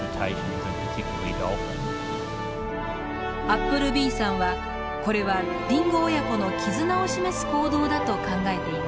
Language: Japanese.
アップルビーさんはこれはディンゴ親子の絆を示す行動だと考えています。